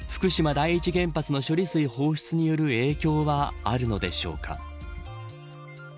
第一原発の処理水放出による影響はあるのでしょうか。